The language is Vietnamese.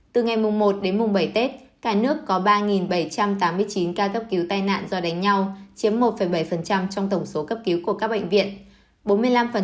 từ ngày một đến mùng bảy tết cả nước có ba bảy trăm tám mươi chín ca cấp cứu tai nạn do đánh nhau chiếm một bảy trong tổng số cấp cứu của các bệnh viện